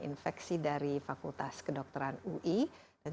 infeksi dari fakultas kedokteran ui dan